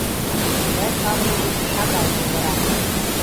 Николай Павлович шагал кутыра.